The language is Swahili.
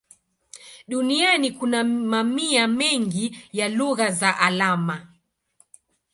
Duniani kuna mamia mengi ya lugha za alama.